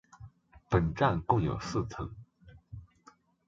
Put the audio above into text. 本站共有四层。